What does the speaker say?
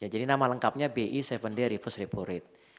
jadi nama lengkapnya bi tujuh day reverse repo rate